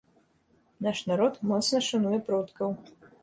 Наш народ моцна шануе продкаў.